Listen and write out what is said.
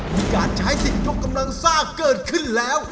มีการใช้สิทธิ์ยกกำลังซ่าเกิดขึ้นแล้ว